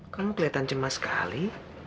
kamu kelihatan cemas sekali